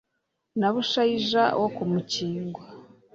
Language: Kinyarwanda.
na bushayija wo ku mukingo